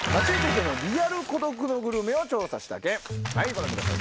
ご覧ください